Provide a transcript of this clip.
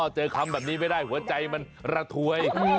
เจอคำแบบนี้ไม่ได้หัวใจมันระถวย